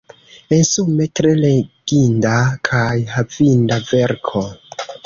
Ensume, tre leginda kaj havinda verko.